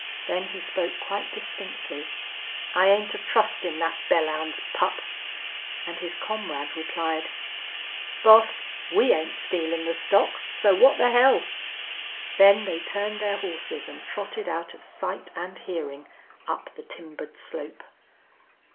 Then he spoke quite distinctly, "I ain't a trustin' thet Belllounds pup!" and his comrade replied, "Boss, we ain't stealin' the stock, so what th' hell!" Then they turned their horses and trotted out of sight and hearing up the timbered slope.